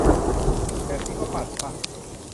แบบนี้ก็ 'ปั่น' ป่ะ ?